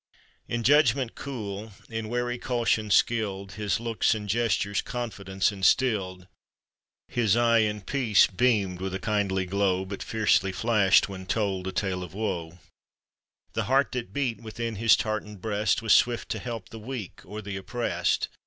In judgment cool, in wary caution skilled, His looks and gestures confidence instilled ; His eye, in peace, beamed with a kindly glow, But fiercely flashed when told a tale of woe ; The heart that beat within his tartaned breast Was swift to help the weak or the oppressed.